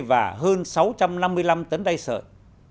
và hơn sáu trăm năm mươi năm tấn đay sợi